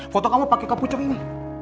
foto kamu pake kepucuk ini